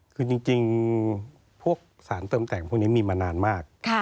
คือจริงพวกสารเติมแต่งพวกนี้มีมานานมาก